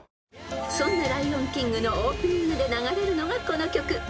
［そんな『ライオン・キング』のオープニングで流れるのがこの曲］